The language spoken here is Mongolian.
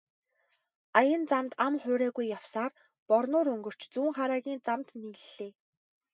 Аян замд ам хуурайгүй явсаар Борнуур өнгөрч Зүүнхараагийн замд нийллээ.